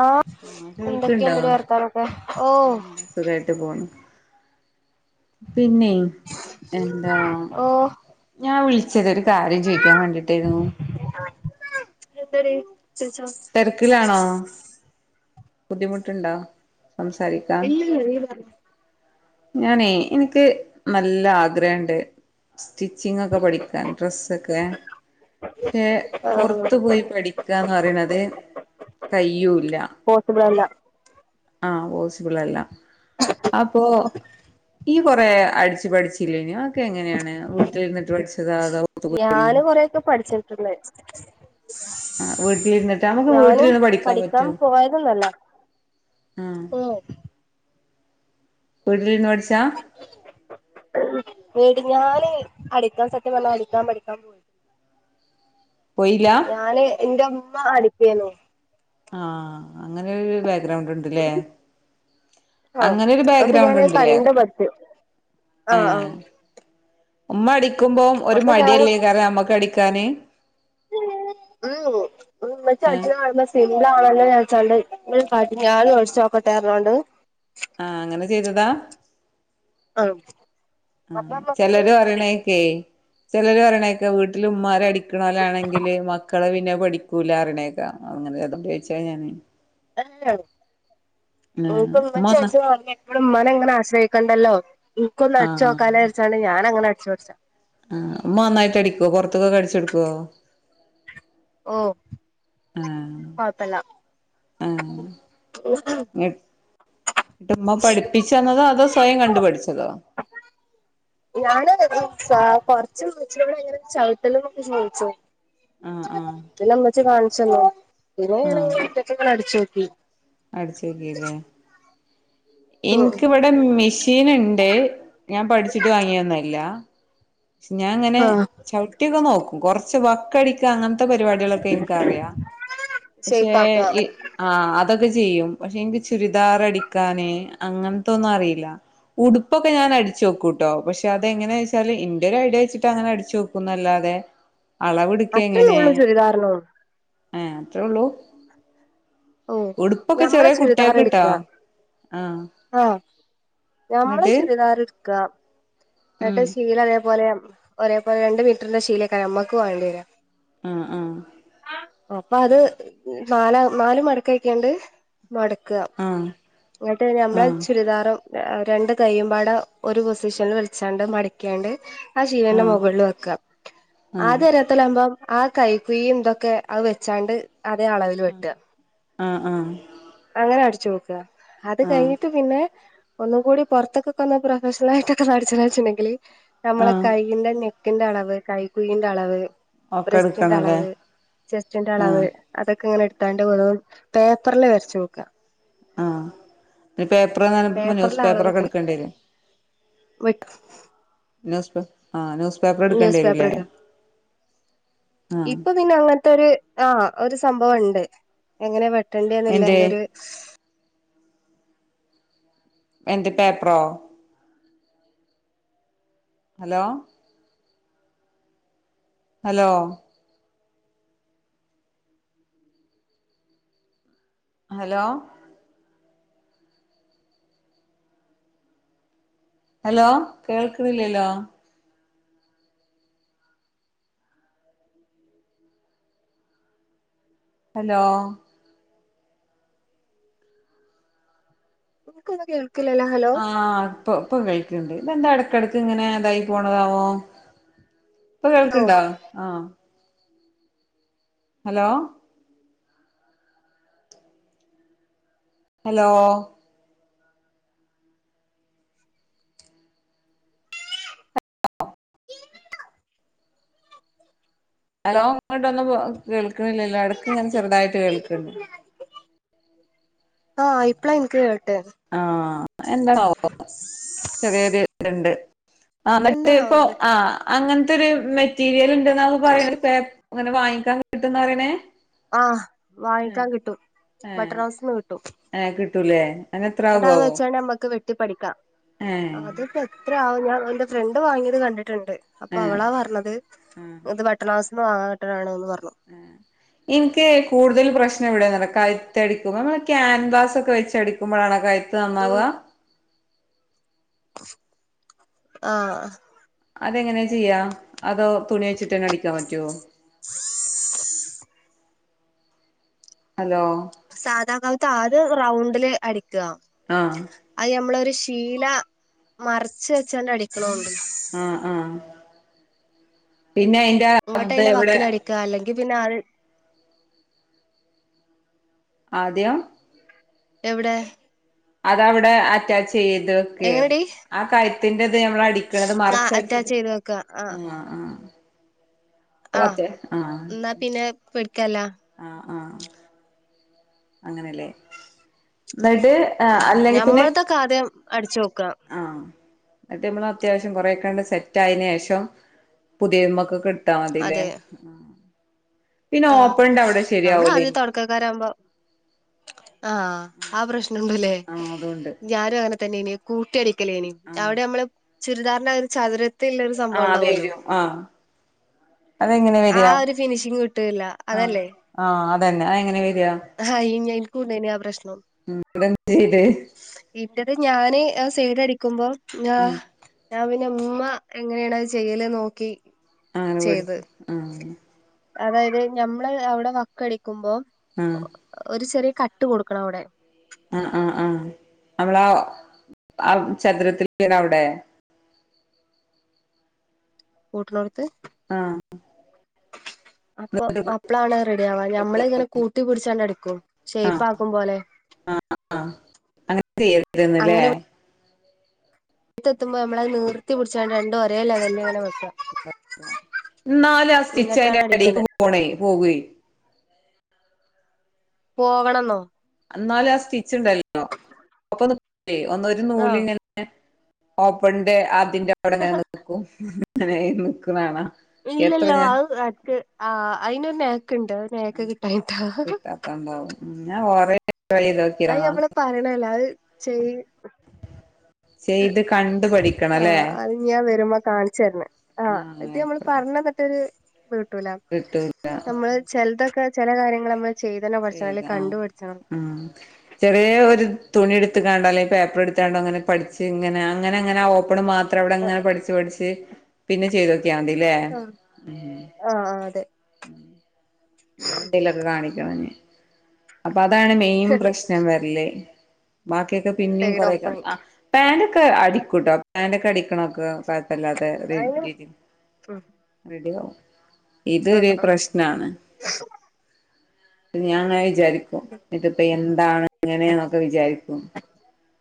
ആഹ്, എന്തൊക്കെയുണ്ടെടി വർത്താനൊക്കെ ഓഹ്. എന്താ സുഖായിട്ട് പോണ്. പിന്നെയ് എന്താ. ഓ ഞാവിൾച്ചത് ഒരു കാര്യം ചോയിക്കാൻ വേണ്ടിട്ടെയ്ന്നു. നെന്തടി ചോയ്ചോ. തെരക്കിലാണോ? ബുദ്ധിമുട്ട്ണ്ടോ. സംസാരിക്കാൻ ഞാനേ ഇൻക്ക് നല്ല ആഗ്രഹണ്ട്. സ്റ്റിച്ചിങ്ങൊക്കെ പഠിക്കാൻ ഡ്രസ്സൊക്കെ. ഷേ ആഹ് പോർത്തു പോയി പഠിക്കാന്ന് പറിണത് കയ്യൂല്ല. പോസിബ്ളല്ല. ആഹ്, പോസിബിളല്ല അപ്പോ ഇയ് കൊറേ അടിച്ച് പഠിച്ചില്യേന്യോ അഒക്കെ എങ്ങനെയാണ് വീട്ടിലിരുന്നിട്ട് പഠിച്ചതാ അതോ പൊ ത്ത് ഞാന് കൊറെയൊക്കെ ആഹ് വീട്ടിലിരുന്നിട്ട് [unintelligible] നമുക്ക് ഞാനും വീട്ടിലിരുന്ന് പഠിക്കാൻ പറ്റോ പോയതൊന്നല്ല. ആഹ്, ഉം വീട്ടിലിരുന്ന് പഠിച്ചാ. എടി ഞാന് അടിക്കാൻ സത്യം പർഞ്ഞാ അടിക്കാം പഠിക്കാം പോ പോയില്ലാ. ഞാന് ഇന്റെമ്മ അടിക്കേന്നു. ആഹ്, അങ്ങനെരു ബേഗ്രൗണ്ട്ണ്ട്ല്ലേ. ആഹ് അങ്ങനെരു അപ്പൊ ഞാന് കണ്ട് ബേഗ്രൗണ്ട്ണ്ട്ല്ലേറ്യ പഠിച്ച് ആഹ് ആഹ് ഏഹ്. ഉമ്മ അടിക്കുമ്പോം ഒരു അപ്പൊ ഞാന് മടിയല്ലേകാരം അമ്മക്ക് അടിക്കാന്. ഉം മ്മച്ചി ഏഹ് അടിച്ച്ണ കാണുമ്പൊ സിംബ്ലാണല്ലോജാർച്ചാണ്ട് പടി ഞാനു അടിച്ചോക്കട്ടെർഞ്ഞാണ്ട് ആഹ്, അങ്ങനെ ചെയ്തതാ. ആഹ് അപ്പൊ ആഹ്, നമ്മക്ക് ഒരു ചെലര് പൂതി പറീണേക്കേയ് ചെലര് പറിണേക്കാ വീട്ടില് ഉമ്മാര് അടിക്കണോലാണെങ്കില് മക്കള് പിന്നെ അഹ് പഠി ക്കൂലാറിണേക്കാ അങ്ങനെ അതോണ്ട് ചോയിച്ചാ ഞാന്. [unintelligible] [unintelligible] ആഹ് ഉമ്മ നന്നാ വടെ മ്മാനെങ്ങനെ ആശ്രയിക്കണ്ടല്ലോ ഇൻകൊന്ന് അട്ച്ചോ. ക്കാലോ ആഹ് ര്ച്ചാണ്ട് ഞാനങ്ങനെ അട് ച്ച് പഠിച്ചാ ആഹ്, ഉമ്മ നന്നായിട്ട് അടിക്കോ പൊറത്തുക്കൊക്കെ അടിച്ചൊട്ക്കോ? ഓഹ്, കൊഴപ്പല്ലാ ഏഹ്. [unintelligible] ങ്ങ ട്ട് മ്മ പഠിപ്പിച്ചന്നതോ അതോ സ്വയം കണ്ടുപഠിച്ചതോ? ഞാന് [unintelligible] കോ കൊറച്ചു മ്മച്ചിനോട് എങ്ങന ചൗട്ടല്ന്നൊക്കെ ചോയിച്ചു ആഹ് ആഹ് പിന്നെ ഇമ്മച്ചി കാണിച്ചന്നു പിന്നെ ഞാനങ്ങനെഒറ്റക്കൊക്കെണ്ട് അടിച്ചോക്കി അടിച്ചോകില്ലേ ഉം ഇൻകിവടെ മെഷീന്ണ്ട് ഞാൻ പഠിച്ചിട്ട് വാങ്ങിയൊന്നല്ല ക്ഷെ ഞാ ഇങ്ങനെ ആഹ് ചവിട്ടിയൊക്കെ നോക്കും കൊറച്ച് വക്കടി ക്കാ അങ്ങനത്തെ പരിപാടികളൊക്കെ ഇൻക്കറിയാ പക്ഷേ ഷേപ്പാക്ക ഈ ആഹ് അതൊക്കെ ചീയ്യും പക്ഷെ എനിക്ക് ചുരിദാർ അടിക്കാന് അങ്ങൻത്തൊന്നും അറിയില്ല ഉടുപ്പൊക്കെ ഞാൻ അടിച്ച് നോക്കൂട്ടോ പക്ഷെ അതെങ്ങനെ വെച്ചാല് ഇ ൻ്റെ ഒരു ഐഡിയ വെച്ചിട്ട് അങ്ങനെ അടിച്ചു നോക്കുന്നല്ലാതെ അത്രയേ അളവ്ടുക്കെങ്ങനെ ഉള്ളൂ ചുരിദാറിനും ഏഹ് അത്രള്ളൂ ഓ ഉടുപ്പൊക്കെ ഞമ്മളെ ചെറിയ ചുരിദാർ കുട്ടിയാകിട്ടാ എടുക്ക ആഹ് ഞമ്മള് എന്നിട്ട് ചുരിദാർ ഇട്ക്കാ ഉം എട്ട് ശീല അതേപോലെ ഒരേപോലെ രണ്ട് മീറ്ററിന്റെ ശീലൊക്കെ നമ്മക്ക് വാണ്ടേരാ ആഹ് ആഹ് അപ്പ അത് നാലാ നാല് മടക്കഴിക്കാണ്ട് മടക്ക ആഹ് ങ്ങട്ട് നമ്മളെ ആഹ് ചുരിദാറും രാ രണ്ട് കയ്യുമ്പാടെ ഒരു പൊസിഷനിൽ വെച്ചാണ്ട് മടിക്കിയാണ്ട് ആഹ് ആശീലന്റെ ആഹ് മുകളില് വെക്കാ ആദ്യൊരു ആഹ് ത്തലുമ്പം ആ കൈ കുയീ ഇതൊക്കെ അത് വെച്ചാണ്ട് അതേ അളവില് വെട്ടാ ആഹ് ആഹ് അങ്ങനെ അടിച്ചോക്കാ അത് ആഹ് കഴിഞ്ഞിട്ട് പിന്നെ ഒന്നും കൂടി പുറത്തൊക്കെ കൊന്ന് പ്രൊഫഷണൽ ആയിട്ടൊക്കെ നടിച്ചെന്ന് വെച്ച്ണ്ടെങ്കില് നമ്മളെ ആഹ് കൈ പിന്നെ നെക്കിന്റെ അളവ് കൈ കുയീന്റെ അളവ് ഒക്കെ ബ്രെസ്റ്റിന്റെ എടുക്കണല്ലേ അളവ് ചെസ്റ്റിന്റെ ആഹ് അളവ് അതൊക്കെ ഇങ്ങനെ എടുത്താണ്ട് വേ പേപ്പറില് വരച്ച് നോക്കാ ആഹ് പി പേപ്പർ ന്നറീമ്പോ ന്യൂസ് പേപ്പറിൽ പേപ്പറൊക്കെ അളവിട്ട് എടുക്കണ്ടേരോ വെട്ടും ന്യൂസ്പേ ആഹ് ന്യൂസ് പേപ്പർ ന്യൂസ് പേപ്പർ എടുക്കണ്ടേരൂല്ലേ ഇടുക ഇപ്പൊ പിന്നെ അങ്ങനത്തെ ഒരു ആഹ് ഒരു സംഭവണ്ട് എങ്ങനെ എന്തേ വെട്ടണ്ടേന്നില്ലേന്റെ ഒരു [unintelligible] എന്ത് പേപ്പറോ ഹലോ ഹലോ ഹലോ ഹലോ കേൾക്ക്‌ണില്ലല്ലോ ഹലോ എൻക്കൊന്നും കേൾക്കില്ലല്ലോ ഹലോ ആഹ് ഇപ്പൊ ഇപ്പം കേൾക്ക്ണ്ട് ഇതെന്താ ഇടക്കിടക്ക് ഇങ്ങനെ എതായി പോണതാവോ ഇപ്പൊ ഓ കേൾക്കുണ്ടോ ആഹ് ഹലോ ഹലോ കേൾക്കുണ്ടോ അലോ ഇങ്ങോട്ടൊന്നും കേൾക്കണില്ലല്ലോ ഇടക്ക് ഇങ്ങനെ ചെറുതായിട്ട് കേൾക്കണ്ട് ആഹ് ഇപ്പളാ എനിക്ക് കേട്ടെ ആഹ് എന്താണോവോ ചെറിയൊരു ത്രെഡ്ഡ് ആഹ് മറ്റേ എന്താണാവോ ഇപ്പൊ ആ പ്രശ്നം അങ്ങനത്തെരു മെറ്റീരിയൽ ഉണ്ടന്നെല്ലോ പറയണ് അങ്ങനെ വാങ്ങിക്കാ കിട്ടുന്ന അങ്ങനെ ആഹ് വാങ്ങിക്കാൻ കിട്ടും ബട്ടർ ഏഹ് റൗസിന്ന് കിട്ടും ഏഹ് കിട്ടൂലേ അതിന് എത്ര നട്ട അത് ആകുവാവോ വെച്ചോണ്ട് നമ്മക്ക് വെട്ടി പഠിക്കാം ഏഹ് അങ്ങ ഇത്രയാ ഞാൻ എന്റെ ഫ്രണ്ട് വാങ്ങിയത് കണ്ടിട്ടുണ്ട് അപ്പൊ ഏഹ് അവളാ പറഞ്ഞത് ആഹ് ഇത് ബട്ടണ റൗസിന്ന് വാങ്ങാന് കിട്ടണന്ന് പറഞ്ഞു ആഹ് എനിക്ക് കൂടുതൽ പ്രശ്നവിടെന്നറിയോ കഴ്ത്തടിക്കുമ്പോ നമ്മളെ ക്യാൻവാസൊക്കെ വെച്ചടിക്കുമ്പോഴാണൊ കയത്ത് കഴുത്ത് നന്നാവ ആഹ് അതെങ്ങനാ ചെയ്യാ അതോ തുണി വച്ചിട്ട് തന്നെ അടിക്കാൻ പറ്റോ [inaudible] ഹലോ സാധാകഴുത്ത് ആദ്യം റൗണ്ടില് അടിക്ക ആഹ് അത് നമ്മളൊരു ശീല മറിച്ച് വെച്ചണ്ട് അടിക്കണണ്ട് ആഹ് ആഹ് പിന്നെ അയിന്റെ അങ്ങോട്ട് ഇത് അയിന്റെ എവിടെ വക്കിന് അടിക്കുക അല്ലെങ്കിൽ പിന്നെ അത് ആദ്യം എവിടെ അതവിടെ അറ്റാച്ച് ചെയ്ത് വെക്ക് എങ്ങനെടി ആഹ് കയത്തിന്റെത് നമ്മൾ അടി നിക്കണത് ആ അറ്റാച്ച് മറിച്ചടിച്ചിട്ട് ചെയ്ത് വെക്ക ആ ആഹ് ആഹ് ഓക്കെ ആഹ് എന്നാ പിന്നെ പേടിക്കനില്ലാ ആഹ് ആഹ് അങ്ങനെല്ലേ എന്നിട്ട് ഉം അല്ലെങ്കിൽ പിന്നെ ഞമ്മൾതൊക്കെ ആദ്യം അടിച്ചു നോക്ക ആഹ് എന്നിട്ടമ്മള് അത്യാവശ്യം കുറെേയൊക്കാണ്ട് സെറ്റ് ആയതിന് ശേഷം പുതിയ നമക്കൊക്കെ എട്ത്താമതില്ലേ അതെ പിന്നെ ഓപ്പൺന്റവിടെ ശരിയാവൂലേ കരക്കാരാകുമ്പോ ആഹ് ആഹ് പ്രശ്നുണ്ടല്ലേ ആഹ് അതുണ്ട് ഞാനും അങ്ങനെതന്നെന് കൂട്ടി അടിക്കലേന് ആഹ് അവിടെ നമ്മള് ചുരിദാറിന്റൊരു ചതുര ആഹ് വരും ആഹ് അതെങ്ങനെ ആ വരിയാ ഒരു ഫിനിഷിങ് കിട്ടൂല്ല ആഹ് അതല്ലേ ആഹ് അതന്നെ അതെങ്ങനെ വരിയാ ആഹ് ഇനിക്കുണ്ടായിനി ആഹ് പ്രശ്നം [unintelligible] ഇവിടെ ഞാന് ആഹ് സൈഡ് അടിക്കുമ്പോ ഉം ഞാൻ പിന്നെ ഉമ്മ എങ്ങനെയാണ് അത് ചെയ്യല് നോക്കി ചെയ്ത് അളവെടുത്ത് ആഹ് അതായത് ഞമ്മള് അവിടെ വക്കടിക്കുമ്പോ ആഹ് ഒരു ചെറിയ കട്ട് കൊടുക്കണം അവിടെ ആഹ് ആഹ് ആഹ് നമ്മളാ ആഹ് ചതുരത്തിൽ ഉള്ള അവിടെ കൂട്ട്നോടുത്ത് ആഹ് അപ്പൊ ആഹ് അപ്പളാണ് റെഡി ആവാ ഞമ്മള ഇങ്ങനെ കൂട്ടി പിടിച്ചക്കാണ്ട് അടിക്കും ഷേപ്പ് ആക്കും പോലെ ആഹ് ആഹ് ആഹ് അങ്ങനെ ചെയ്യാ എന്നാൽ അല്ലെ എടുത്തു എത്തുമ്പോൾ നമ്മളത് നീർത്തി പിടിച്ചക്കാണ്ട് രണ്ടും ഒരേ ലെവലിൽ ഇങ്ങനെ വെക്കുക എന്നാലും ആഹ് സ്റ്റിച്ച് അയിന്റെ ഇടേക്ക് അടിക്കണ്ടേ പോണേ പോകേ പോവണന്നോ എന്നാലും ആഹ് സ്റ്റിച്ച് ഉണ്ടല്ലോ ഒപ്പം നിക്കൂ ഒന്ന് ഒരു ആഹ് നൂലിങ്ങനെ ഓപ്പൺന്റെ അതിന്റെ അവിടെങ്ങനെ നിക്കും അങ്ങനെ നിക്കുണ് കാണാ എത്ര ഇല്ലല്ല ഞാൻ ആഹ് അക്ക് ആഹ് അതിന് ഒരു നേക്ക് ഉണ്ട് ആഹ് നേക്ക് കിട്ടാഞ്ഞിട്ടാ [unintelligible] അത് നമ്മള് പറയണല്ല അത് ചെയ ചെയ്ത് കണ്ടു പഠിക്കണം അല്ലേ ഇനി ഞാൻ വരുമ്പോ കാണിചു തരണ്ട് ആഹ് ഇത് നമ്മള് പറഞ്ഞ കത്തൊരു കിട്ടൂല കിട്ടൂല നമ്മള് ചിലതൊക്കെ ചില കാര്യങ്ങൾ നമ്മൾ ചെയത ആഹ് ആഹ് ചെറിയ ഒരു തുണി എടുത്തക്കാണ്ടോ അല്ലെങ്കിൽ പേപ്പർ എടുത്തക്കാണ്ടോ അങ്ങനെ പഠിച്ച് ഇങ്ങനെ അങ്ങനെ അങ്ങനെ ആ ഓപ്പൺ മാത്രം അത്രവിടെ അങ്ങനെ പഠിച്ചു പഠിച്ച് പിന്നെ ചെയ്ത് നോക്കിയാൽ മതി അല്ലെ ആഹ് ആഹ് അതെ ! ! ! ! ! ! ! ! ! ! അങ്ങനെ എന്തേലും ഒക്കെ കാണിക്കണം ഇനി. അപ്പൊ അതാണ് മെയിൻ പ്രശ്നം വരല് ബാക്കിയൊക്കെ പിന്നിം സൈഡ് കൊറൊക്കെ അ ഓപ്പണിങ് പാന്റോക്കെ അടിക്കൂട്ടോ പാന്റൊക്കെ അടിക്കണ് ഒക്കെ കൊഴപ്പല്ലാതെ അയിന് രീതിക്ക് ഉം റെഡി ആകും ഇതൊരു പ്രശ്നാണ് ! ! ! ! ! ! ! ! ! ! ഞാനിങ്ങനെ വിചാരിക്കും ഇതിപ്പോ എന്താണ് ഇങ്ങനെയെന്നൊക്കെ വിചാരിക്കും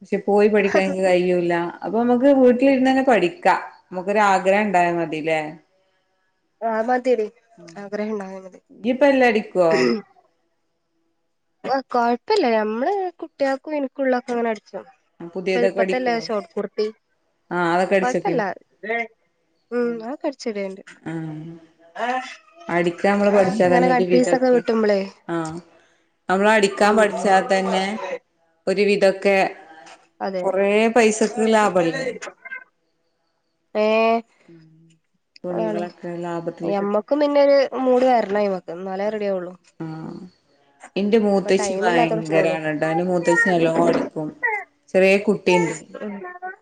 പക്ഷെ പോയി പഠിക്കാൻ എനിക്ക് കഴിയും ഇല്ല അപ്പൊ നമുക്ക് വീട്ടിലിരുന്നന്നെ പഠിക്ക. നമുക്ക് ഒരു ആഗ്രഹം ഉണ്ടായ മതി അല്ലേ ആഹ് മതിയെടി ആഗ്രഹം ഉണ്ടായാൽ മതി ഇയ്യ്പ്പ എല്ലാം അടിക്കുവോ ആഹ് കൊഴപ്പല്ല ഞമ്മള് കുട്ടിയാക്കും എനിക്കും ഉള്ളതൊക്കെ ഇങ്ങനെ അടിച്ചും പുതിയതൊക്കെ ഇപ്പൊയത്തല്ലേ അടിക്കുവോ ഷോർട്ട് കുർത്തി ആഹ് അതൊക്കെ അടിച്ചോക്കി കൊഴപ്പല്ല ഉം അത് ഒക്കെ അടിച്ച്ടെണ്ട് ആഹ് അടിക്കാൻ നമ്മള് പഠിച്ചാ ഇങ്ങനെ തന്നെ ഒരു കട്പ്പീസ് ഒക്കെ വിധൊക്കെ കിട്ടുമ്പളേ ആഹ് അമ്മൾ അടിക്കാൻ ഉം ഉം പഠിച്ചാൽ തന്നെ ഒരു വിധം ഒക്കെ അതെ ലാഭല്ലേ ഏഹ് അതാണ് തുണികളൊക്കെ ലാഭത്തില് കിട്ടും ഞമ്മക്കും പിന്നെ ഒരു മൂഡ് വരണം അയിമക്ക് ഇന്നാലേ റെഡി ആവുള്ളു ആഹ് ഇന്റെ മൂത്തച്ചി ടൈം ഇല്ലാത്ത പ്രശ്നള്ളൂ ഭയങ്കരാണ് ട്ടോ. ഇന്റെ മൂത്തച്ചി നല്ലോണം അടിക്കും ചെറിയ കുട്ടിണ്ട്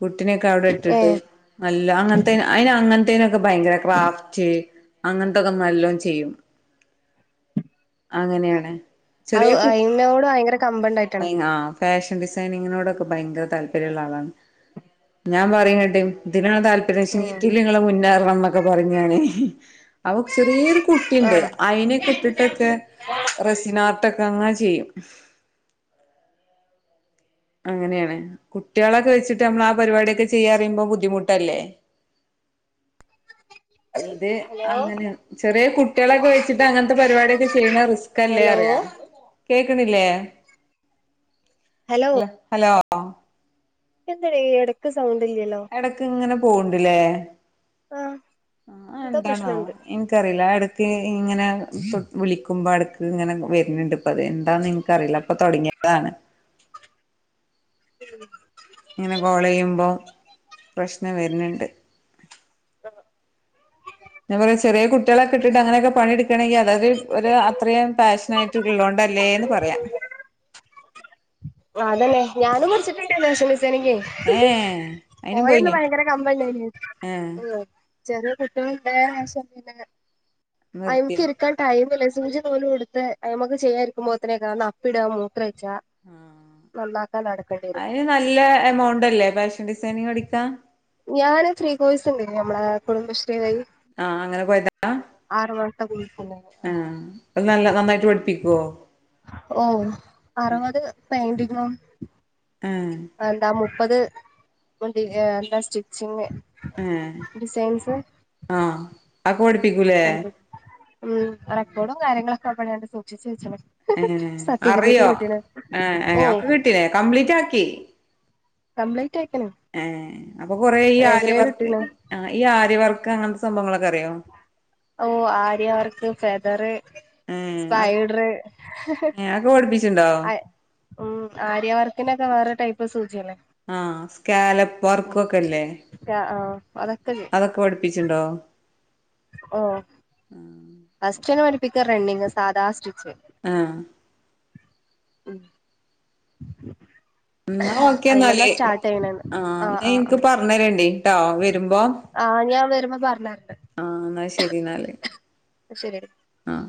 കുട്ടിനൊക്കെ അവിടെ ഏ ഇട്ടിട്ട് നല്ല അങ്ങൻത്തെന് അയിന അങ്ങൻത്തേനൊക്കെ ഭയങ്കര ഗ്രാഫ്റ്റ് അങ്ങൻത്തൊക്കെ നല്ലോം ചെയ്യും അങ്ങനെയാണ്. അത് ചെറിയ കു അയിനോട് ഭയങ്കര കമ്പണ്ടായിട്ടാണ് ആഹ് ഫാഷൻ ഡിസൈനിങ്ങിനോടൊക്കെ ഭയങ്കര താല്പര്യമുള്ള ആളാണ്. ഞാൻ പറയും എന്നിട്ട് ഇതിനാ താല്പ ഏ ഷീറ്റിൽ ഇങ്ങളെ മുന്നേറണം എന്നൊക്കെ പറയും ഞാനേ. അപ്പം ചെറിയൊരു കുട് ആ ട്ടിണ്ട് അയിനൊക്കെ ഇട്ടിട്ടൊക്കെ റസീനാത്തക്ക അങ്ങനെ ചെയ്യും. അങ്ങനെയാണ് കുട്ട്യേളൊക്കെ വെച്ചിട്ട് നമ്മൾ ആ പരിപാടിയൊക്കെ ചെയ്യാ അറിയുമ്പോ ബുദ്ധിമുട്ടല്ലേ ഇത് ഹലോ അങ്ങനെ ചെറിയ കുട്ടികളെയൊക്കെ ഉപയോഗിച്ചിട്ട് അങ്ങനത്തെ പരിപാടിയൊക്കെ ചെയ്യണത് റിസ്കല്ലേ ഹലോ പറയുവാ കേക്ണില്ലേ? ഹലോ എന്തടി എടക്ക് സൗണ്ട്ല്ലല്ലോ ഇടക്ക് ഇങ്ങനെ പോണ്ടില്ലേ, ആ അത് എന്തോ എന്താണോ ആവും പ്രശ്നണ്ട് എനിക്ക്. എനിക്കറിയില്ല ഇടക്ക് ഇങ്ങനെ വിളിക്കുമ്പോ എടക്ക് ഇങ്ങനെ വരുന്നുണ്ട് ഇപ്പ അത് എന്താന്ന് എനിക്കറിയില്ല ഇപ്പൊ തൊടങ്ങിതാണ്. [unintelligible] ഇങ്ങനെ കോളെയ്യുമ്പോ പ്രശ്നം വരിന്ണ്ട് ആഹ് ഞാൻ പറയാ ചെറിയ കുട്ടികളൊക്കെ ഇട്ടിട്ട് അങ്ങനെയൊക്കെ പണി എടുക്കണെങ്കി അതായത് ഒരു അത്രയും പാഷനായി [unintelligible] ള്ളോണ്ടല്ലേന്ന് പറാ അതന്നെ ഞാനും പഠിച്ചിട്ടിണ്ട് ഫാഷൻ ഡിസൈനിങ് ഏ അയിനും പോയന്ന് പോയിനു ഭയങ്കര കമ്പല്ലേന്യോ ഏ ചെറിയ കുട്ടികളിണ്ട് [unintelligible] അയിമക്ക് നിർത്തിയോ ഇരിക്കാൻ ടൈമിലെ സൂചീം നൂലും ഇടുത്ത് അതുമ്മേക്ക് ചെയ്യാനിരിക്കുമ്പോത്തിന് കേക്കാം അപ്പിട മൂത്രൊഴിച്ചാ നന്നാക്കാൻ നടക്കേണ്ടി വരും അയ്ന് നല്ല എമൗണ്ടല്ലേ ഫാഷൻ ഡിസൈനിങ് പഠിക്കാ ഞാന് ഫ്രീകോയ്സിണ്ടായിനി നമ്മടാ കുടുംബശ്രീ വഴി ആഹ് അങ്ങനെ പോയതാ ആറ് മാസത്തെ കോഴ്സിന് ആ അത് നല്ല നന്നായിട്ട് പഠിപ്പിക്കോ ഓഹ് അറ്വത് പെയിന്റിങ്ങും ഏഹ് എന്താ മുപ്പത് വണ്ടി എന്താ സ്റ്റിച്ചിങ് ഏഹ് ഡിസൈൻസ് ആഹ് അതൊക്കെ പഠിപ്പിക്കൂല്ലേ പഠിപ്പിക്കും ഉം റെക്കോർഡും കാര്യങ്ങളൊക്കെ ഇപ്പഴുവെണ്ട് സൂക്ഷിച്ച് വെച്ചൊ ഏഹ് അറിയോ ഓ ഏഹ് അവക്ക് കിട്ടീല്ലേ കംപ്ലീറ്റാക്കി കംപ്ലീറ്റായിക്ക്ണ് ഏഹ് അപ്പൊ കൊറേ ഈ ആര്യ വർക്ക് ആഹ് ഈ ആര്യവർക്ക് അങ്ങനത്തെ സംഭവങ്ങളൊക്കെ അറിയോ ഓഹ് ആര്യ വർക്ക് ഫെദറ് ഏ സ്പൈഡറ് ഏ അതൊക്കെ പഠിപ്പിച്ചിണ്ടോ അ ഉം ആര്യവർക്കിനൊക്കെ വേറെ ടൈപ്പ് സൂചി അല്ലേ ആഹ് സ്കാലപ് വർക്കൊക്കെല്ലേ അതൊക്കെ പഠിപ്പിച്ചിണ്ടോ ഓഹ് ഫസ്റ്റന്നെ പഠിപ്പിക്ക റണ്ണിങ് സാദാ സ്റ്റിച്ച് ആഹ് ഉം ഉം ഇന്നാ ഓക്കെ അയിമന്നാ എന്നാല് സ്റ്റാർട്ട് ചെയ്യണന്ന് ആഹ് എന്നാ എനിക്ക് ആഹ് പറഞ്ഞരേണ്ടിട്ടോ വരുമ്പോ ആഹ് ഞാ വര്മ്പോ പറഞ്ഞറണ്ട് ആ എന്നാ ശരി എടി ആഹ്